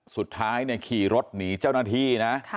สุดท้ายเนี่ยขี่รถหนีเจ้าหน้าที่นะ